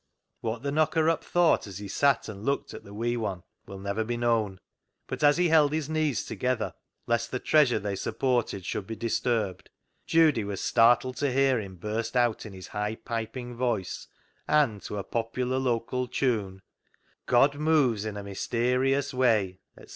What the knocker up thought as he sat and looked at the wee one will never be known, but as he held his knees together lest the treasure they supported should be disturbed, Judy was startled to hear him burst out in his high piping voice and to a popular local tune — "God moves in a mysterious way," etc.